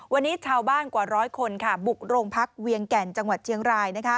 วันนี้ชาวบ้านกว่าร้อยคนบุกโรงพักเวียงแก่นจังหวัดเชียงราย